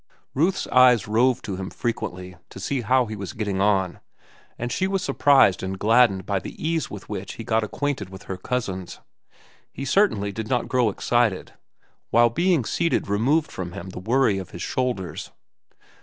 Ruth's eyes roved to him frequently to see how he was getting on, and she was surprised and gladdened by the ease with which he got acquainted with her cousins. He certainly did not grow excited, while being seated removed from him the worry of his shoulders.